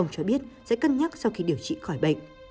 ông cho biết sẽ cân nhắc sau khi điều trị khỏi bệnh